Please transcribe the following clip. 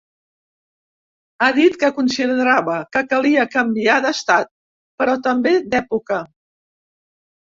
Ha dit que considerava que calia canviar d’estat, però també d’època.